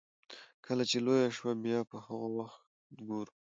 کله چې لويه شوه بيا به هغه وخت ګورو.